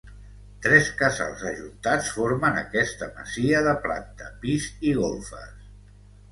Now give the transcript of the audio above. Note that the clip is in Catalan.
Tres casals ajuntats formen aquesta masia de planta, pis i golfes.